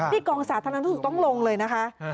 กองสาธารณสุขต้องลงเลยนะคะ